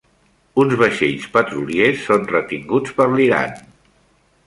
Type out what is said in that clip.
Uns vaixells petroliers són retinguts per l'Iran